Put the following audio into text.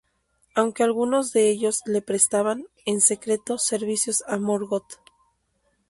Aunque algunos de ellos le prestaban, en secreto, servicio a Morgoth.